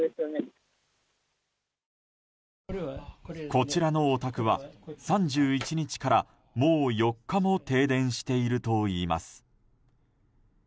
こちらのお宅は、３１日からもう４日も停電しているといいます。